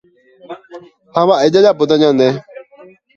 Ha mba'e jajapóta ñande.